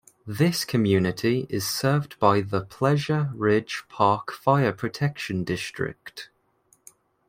This community is served by the Pleasure Ridge Park Fire Protection District.